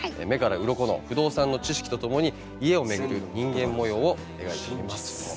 目からうろこの不動産の知識とともに家をめぐる人間模様を描いております。